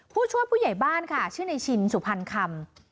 ผู้ช่วยผู้ใหญ่บ้านค่ะชื่อในชินสุพรรณคำ